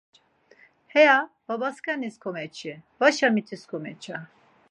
Heya babaskanis komeçi. Vaşa mitis komeça!